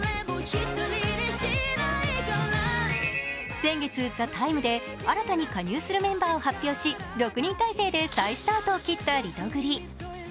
先月「ＴＨＥＴＩＭＥ，」で新たに加入するメンバーを発表し６人体制で再スタートを切ったリトグリ。